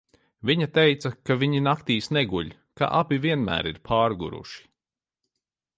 Viņa teica, ka viņi naktīs neguļ, ka abi vienmēr ir pārguruši.